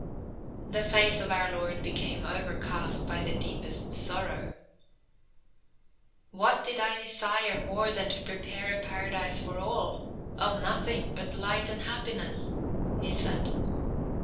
The face of our Lord became o'ercast by the deepest sorrow. "What did I desire more than to prepare a Paradise for all, of nothing but light and happiness?" He said.